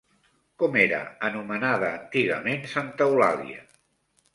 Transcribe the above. Com era anomenada antigament Santa Eulàlia?